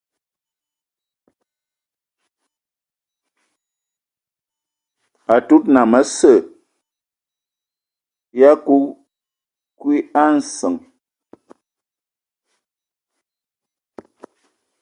Atud nnəm asə ya kuiki a nsəŋ.